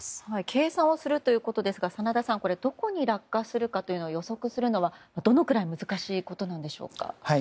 計算するということですが真田さん、どこに落下するのかを予測するのはどのくらい難しいことでしょうか。